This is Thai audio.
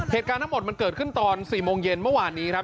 เหตุการณ์ทั้งหมดมันเกิดขึ้นตอน๔โมงเย็นเมื่อวานนี้ครับ